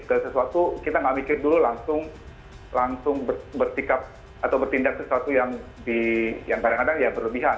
kalau sesuatu kita tidak mikir dulu langsung bertindak sesuatu yang kadang kadang ya berlebihan